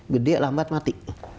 gede lambat mati